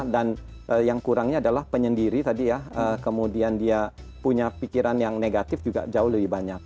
dan yang kurangnya adalah penyendiri tadi ya kemudian dia punya pikiran yang negatif juga jauh lebih banyak